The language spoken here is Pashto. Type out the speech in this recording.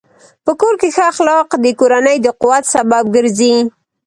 په کور کې ښه اخلاق د کورنۍ د قوت سبب ګرځي.